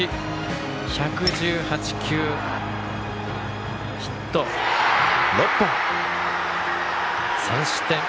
１１８球、ヒット６本３失点。